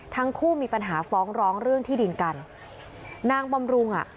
ทั้งคู่มีปัญหาฟ้องร้องเรื่องที่ดินกันนางบำรุงอ่ะ